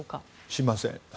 しません。